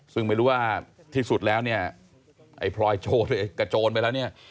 ซึ่งไม่รู้ว่าที่สุดแล้วเนี่ยไอ้พลอยโจรกระโจนไปแล้วเนี่ย